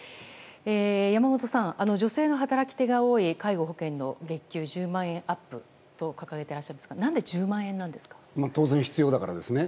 山本さん、女性の働き手が多い介護、保険の１０万円アップと書かれていらっしゃいますが当然必要だからですね。